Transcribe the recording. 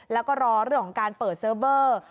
แล้วก็รอเรื่องของการเปิดเซิร์ฟเวอร์